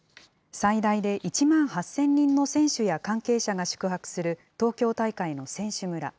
最大で１万８０００人の選手や関係者が宿泊する東京大会の選手村。